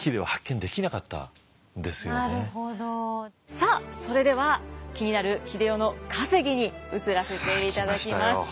さあそれでは気になる英世の稼ぎに移らせていただきます。